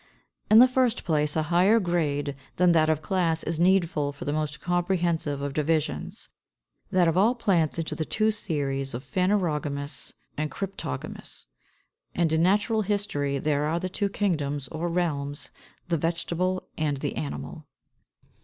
In the first place, a higher grade than that of class is needful for the most comprehensive of divisions, that of all plants into the two Series of Phanerogamous and Cryptogamous (6); and in natural history there are the two Kingdoms or Realms, the Vegetable and the Animal.